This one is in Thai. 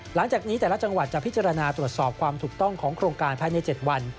หลังจากนี้แต่ละจังหวัดจะพิจารณาตรวจสอบความถูกต้องของโครงการภายใน๗วัน